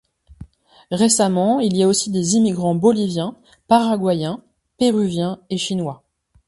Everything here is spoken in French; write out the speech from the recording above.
Récemment, il y a aussi des immigrants boliviens, paraguayens, péruviens et chinois.